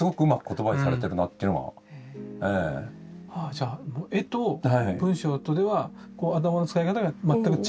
じゃあ絵と文章とでは頭の使い方が全く違う。